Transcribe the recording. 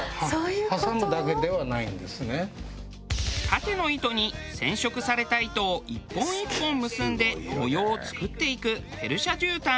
縦の糸に染色された糸を１本１本結んで模様を作っていくペルシャ絨毯。